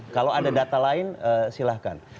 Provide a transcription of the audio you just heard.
kalau ada data lain silahkan